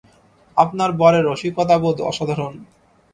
আপনার বরের রসিকতাবোধ অসাধারণ।